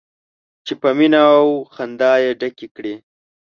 چې په مینه او موسکا یې ډکې کړي.